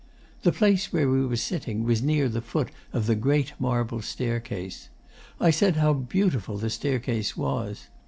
The place where we were sitting was near the foot of the great marble staircase. I said how beautiful the staircase was.